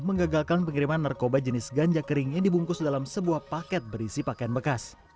menggagalkan pengiriman narkoba jenis ganja kering yang dibungkus dalam sebuah paket berisi pakaian bekas